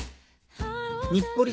日暮里